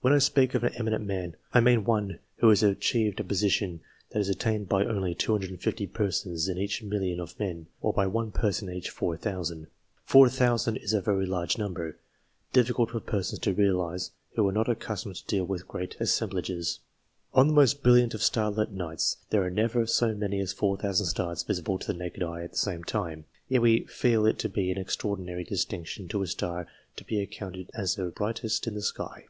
When I speak of an eminent man, I mean one who has achieved a position that is attained by only 250 persons in each million of men, or by one person in each 4,000. 4,000 is a very large number difficult for persons to realize who are not accustomed to deal with great assemblages. On the most brilliant of starlight nights there are never so many as 4,000 stars visible to the naked eye at the same time ; yet we feel it to be an extraordinary distinction to a star to be accounted as the brightest in the sky.